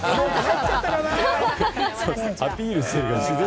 アピールしてるよ！